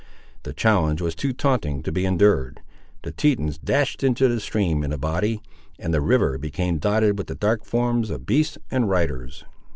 The challenge was too taunting to be endured. The Tetons dashed into the stream in a body, and the river became dotted with the dark forms of beasts and riders.